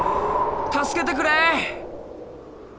助けてくれ！